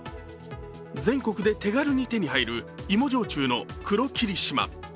全国で手軽に手に入る芋焼酎の黒霧島。